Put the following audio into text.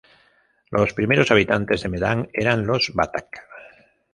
Los primeros habitantes de Medan eran los batak.